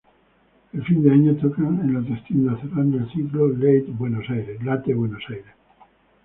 A fin de año tocan en La Trastienda cerrando el ciclo Late Buenos Aires.